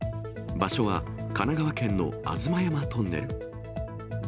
場所は神奈川県の吾妻山トンネル。